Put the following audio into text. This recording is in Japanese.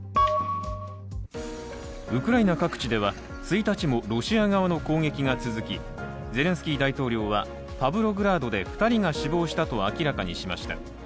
ウクライナ各地では１日もロシア側の攻撃が続きゼレンスキー大統領は、パブログラードで２人が死亡したと明らかにしました。